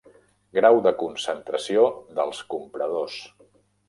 Grau de concentració dels compradors.